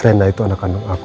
rena itu anak kandung aku